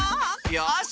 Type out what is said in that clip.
よし！